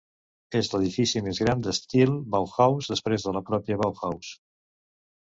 És l'edifici més gran d'estil Bauhaus després de la pròpia Bauhaus.